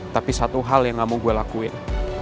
tapi satu hal yang gak mau gue lakuin